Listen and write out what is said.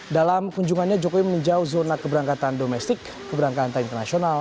dalam kunjungannya jokowi meninjau zona keberangkatan domestik keberangkatan internasional